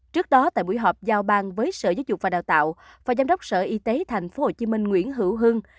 trước đó tại buổi họp giao bang với sở giáo dục và đào tạo và giám đốc sở y tế tp hcm nguyễn hữu hưng